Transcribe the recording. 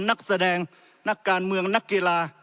นักแสดงนักการเมืองนักกีฬา